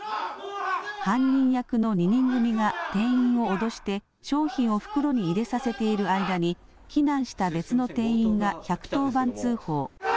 犯人役の２人組が店員を脅して商品を袋に入れさせている間に避難した別の店員が１１０番通報。